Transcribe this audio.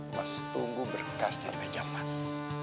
mas tunggu berkasnya sampai jam mas